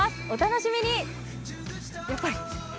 お楽しみに。